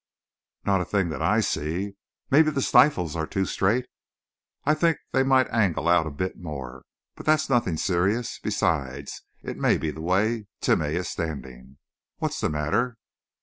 "Not a thing that I see. Maybe the stifles are too straight. I think they might angle out a bit more. But that's nothing serious. Besides, it may be the way Timeh is standing. What's the matter?"